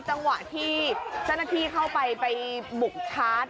เจ้าหน้าที่เข้าไปไปบุกคาร์ด